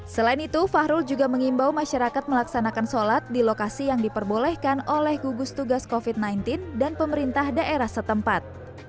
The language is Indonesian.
selain itu fahrul juga mengimbau masyarakat melaksanakan sholat di lokasi yang diperbolehkan oleh gugus tugas covid sembilan belas dan pemerintah daerah setempat